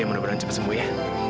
mudah mudahan cepat sembuh ya